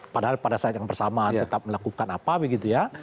padahal pada saat yang bersama tetap melakukan apa begitu ya